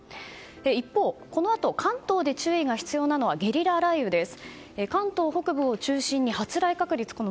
一方、このあと関東で注意が必要なのはゲリラ雷雨です。